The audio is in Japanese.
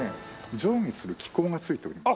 上下する機構がついております。